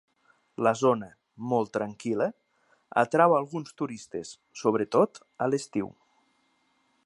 La zona, molt tranquil·la, atrau alguns turistes, sobretot a l'estiu.